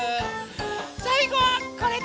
さいごはこれです。